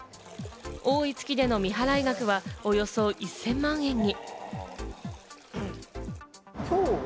多い月での未払い額は、およそ１０００万円に。